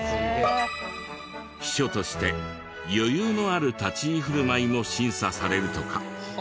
秘書として余裕のある立ち居振る舞いも審査されるとか。